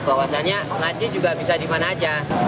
bahwasannya ngaji juga bisa di mana saja